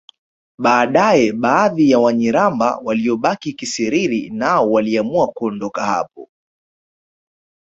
Baadaye baadhi ya Wanyiramba waliobaki Kisiriri nao waliamua kuondoka hapo